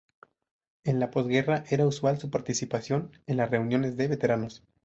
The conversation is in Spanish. En la posguerra era usual su participación en las reuniones de veteranos.